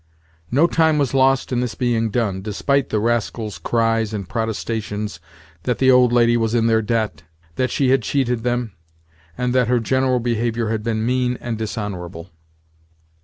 No time was lost in this being done, despite the rascals' cries and protestations that the old lady was in their debt, that she had cheated them, and that her general behaviour had been mean and dishonourable.